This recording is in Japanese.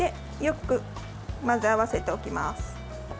よく混ぜ合わせておきます。